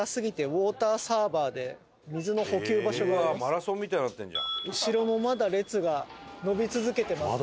マラソンみたいになってんじゃん。